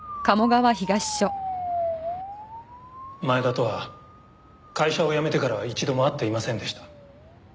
前田とは会社を辞めてからは一度も会っていませんでした。